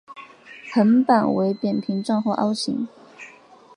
横板为扁平状或凹形。